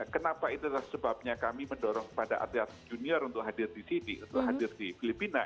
kenapa itulah sebabnya kami mendorong kepada atlet atlet junior untuk hadir di sini untuk hadir di filipina